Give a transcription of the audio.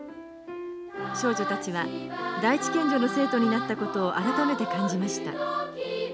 少女たちは第一県女の生徒になったことを改めて感じました。